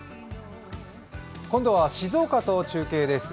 今度は静岡と中継です。